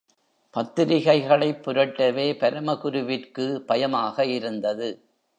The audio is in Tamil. பத்திரிகைகளைப் புரட்டவே பரமகுருவிற்கு பயமாக இருந்தது.